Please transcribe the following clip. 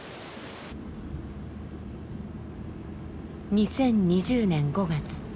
２０２０年５月。